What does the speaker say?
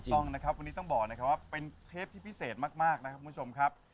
ถูกต้องนะครับวันนี้ต้องบอกนะครับว่าเป็นคำเป็นเทปที่พิเศษมากครับ